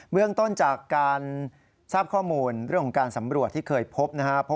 เมืองต้นจากการทราบข้อมูลเรื่องของการสำรวจที่เคยพบนะครับ